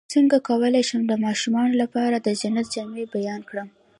څنګه کولی شم د ماشومانو لپاره د جنت جامې بیان کړم